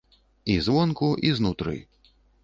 І звонку, і знутры.